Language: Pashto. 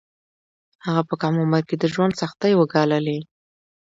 هغه په کم عمر کې د ژوند سختۍ وګاللې